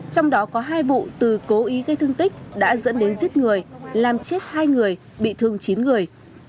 trong đó có hai vụ từ cố ý gây thương tích đã dẫn đến giết người làm chết hai người bị thương chín người